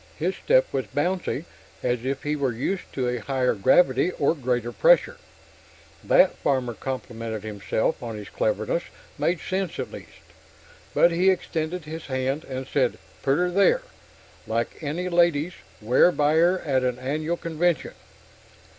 His step was bouncy, as if he were used to a higher gravity or greater pressure (that, Farmer complimented himself on his cleverness, made sense at least), but he extended his hand and said "Put 'er there!" like any ladies' wear buyer at an annual convention.